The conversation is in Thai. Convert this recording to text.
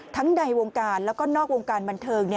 ในวงการแล้วก็นอกวงการบันเทิง